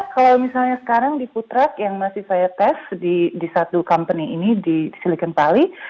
kalau misalnya sekarang di food truck yang masih saya tes di satu company ini di silicon pally